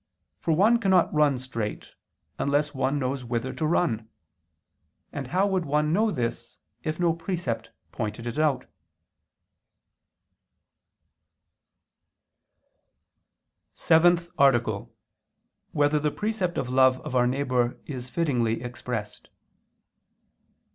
For one cannot run straight unless one knows whither to run. And how would one know this if no precept pointed it out." _______________________ SEVENTH ARTICLE [II II, Q. 44, Art. 7] Whether the Precept of Love of Our Neighbor Is Fittingly Expressed?